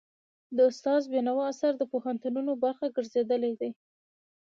د استاد بينوا آثار د پوهنتونونو برخه ګرځېدلي دي.